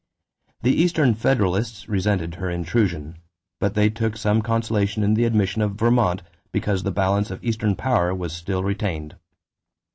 The Eastern Federalists resented her intrusion; but they took some consolation in the admission of Vermont because the balance of Eastern power was still retained.